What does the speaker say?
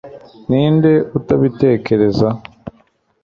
ninde utabitekereza